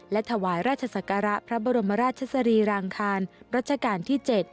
และถวายราชศักระพระบรมราชสรีรางคารรัชกาลที่๗